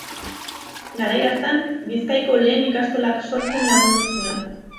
Garai hartan, Bizkaiko lehen ikastolak sortzen lagundu zuen.